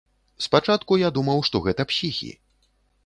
Спачатку я думаў, што гэта псіхі.